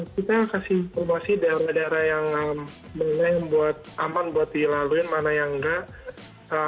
kita kasih informasi daerah daerah yang aman buat dilalui mana yang enggak